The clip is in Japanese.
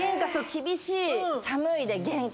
「厳しい」「寒い」で厳寒。